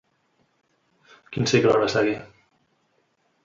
Quin cicle el va seguir?